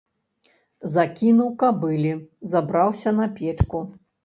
Закінуў кабыле, забраўся на печку.